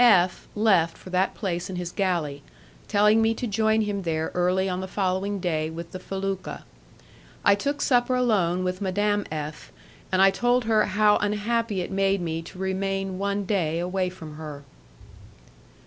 F , left for that place in his galley, telling me to join him there early on the following day with the felucca. I took supper alone with Madame F , and I told her how unhappy it made me to remain one day away from her.